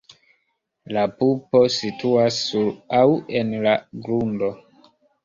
La pupo situas sur aŭ en la grundo.